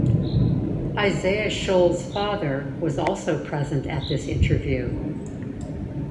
Isaiah Shoels' father was also present at this interview.